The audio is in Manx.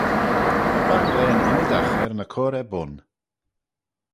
Va banglane ynnydagh er ny cur er bun.